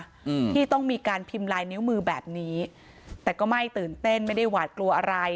อืมที่ต้องมีการพิมพ์ลายนิ้วมือแบบนี้แต่ก็ไม่ตื่นเต้นไม่ได้หวาดกลัวอะไร